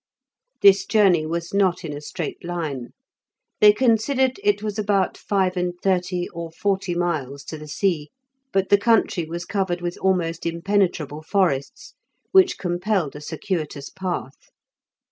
This journey was not in a straight line; they considered it was about five and thirty or forty miles to the sea, but the country was covered with almost impenetrable forests, which compelled a circuitous path.